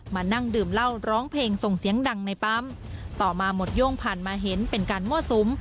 มานั่งดื่มเหล้าร้องเพลงส่งเสียงดังในปั๊มต่อมาหมดโย่งผ่านมาเห็นเป็นการมั่วสุม